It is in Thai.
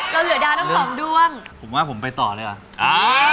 เราเหลือดาวทั้งสองดวงผมว่าผมไปต่อเลยอ่ะอ่า